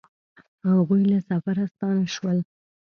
هغوی له سفره ستانه شول